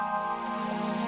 masih ada yang mau berbicara